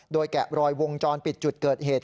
โดยแกะรอยวงจรปิดจุดเกิดเหตุ